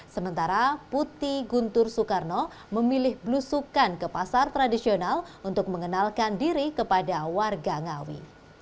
sementara putih guntur soekarno memilih belusukan ke pasar tradisional untuk mengenalkan diri kepada warga ngawi